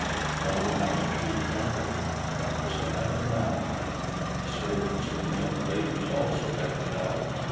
Oh, how the Tree trembled! What was to happen now? The servants, and the young ladies also, decked it out.